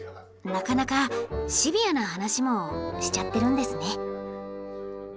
なかなかシビアな話もしちゃってるんですね。